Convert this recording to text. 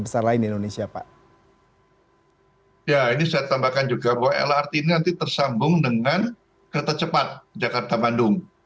besar lain di indonesia pak ya ini saya tambahkan juga bahwa lrt ini nanti tersambung dengan kereta cepat jakarta bandung